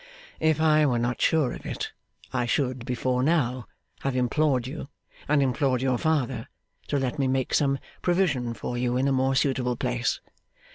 If I were not sure of it, I should, before now, have implored you, and implored your father, to let me make some provision for you in a more suitable place.